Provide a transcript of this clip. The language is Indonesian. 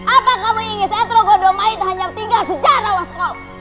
apa kamu ingin setro godomait hanya tinggal secara waskow